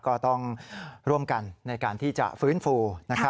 ก็ต้องร่วมกันในการที่จะฟื้นฟู